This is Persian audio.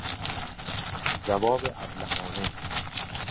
جواب ابلهانه